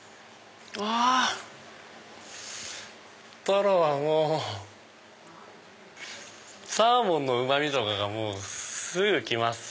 トロはもうサーモンのうま味とかがもうすぐ来ます。